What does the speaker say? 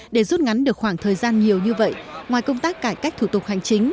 để rút ngắn được khoảng thời gian nhiều như vậy ngoài công tác cải cách thủ tục hành chính